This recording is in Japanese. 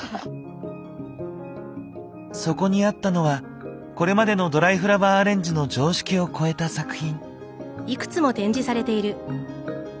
そこにあったのはこれまでのドライフラワーアレンジの常識をこえた作品。